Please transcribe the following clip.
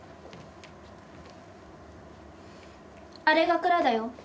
「あれが蔵だよ」